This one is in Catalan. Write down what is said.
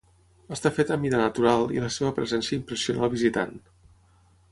Està feta a mida natural i la seva presència impressiona al visitant.